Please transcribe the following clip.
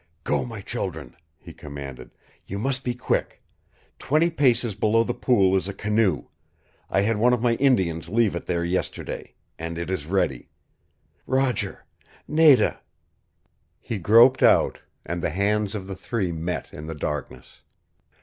"Go, my children," he commanded. "You must be quick. Twenty paces below the pool is a canoe. I had one of my Indians leave it there yesterday, and it is ready. Roger Nada " He groped out, and the hands of the three met in the darkness.